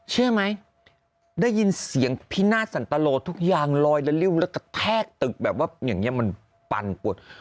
เชื่อไหมได้ยินเสียงพินาศสันตโลทุกอย่างลอยละริ้วแล้วกระแทกตึกแบบว่าอย่างนี้มันปั่นปวด